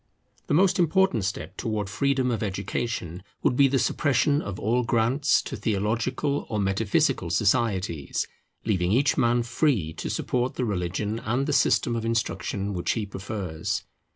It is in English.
The most important step towards freedom of education would be the suppression of all grants to theological or metaphysical societies, leaving each man free to support the religion and the system of instruction which he prefers.